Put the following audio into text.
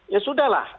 ya sudah lah